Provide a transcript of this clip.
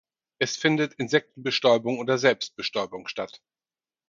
Es findet Insektenbestäubung oder Selbstbestäubung statt.